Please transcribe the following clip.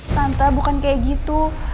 tante bukan kayak gitu